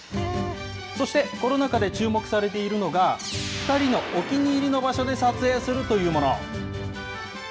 そして、コロナ禍で注目されているのが、２人のお気に入りの場所で撮影するというもの。